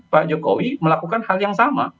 pak jokowi melakukan hal yang sama